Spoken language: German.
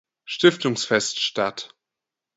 Stiftungsfest statt.